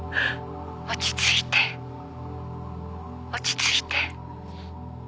「落ち着いて」「落ち着いて」